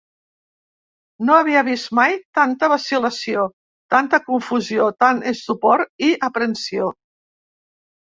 No havia vist mai tanta vacil·lació, tanta confusió, tant estupor i aprensió.